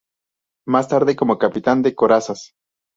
Más tarde como Capitán de Corazas.